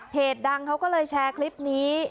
ดังเขาก็เลยแชร์คลิปนี้